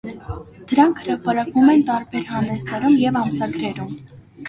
Դրանք հրապարակվում են տարբեր հանդեսներում ու ամսագրերում։